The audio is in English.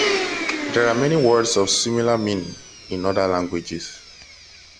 There are many words of similar meaning in other languages.